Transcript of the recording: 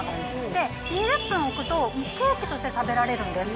で、２０分置くと、ケーキとして食べられるんです。